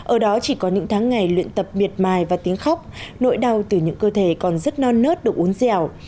ở đó chỉ có những tháng ngày luyện tập miệt mài và tiếng khóc nỗi đau từ những cơ thể còn rất non nớt được uốn dẻo